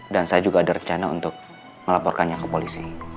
dan saya juga ada rencana untuk melaporkannya ke polisi